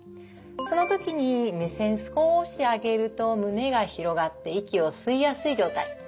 その時に目線少し上げると胸が広がって息を吸いやすい状態。